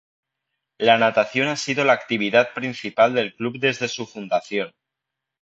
La natación ha sido la actividad principal del club desde su fundación.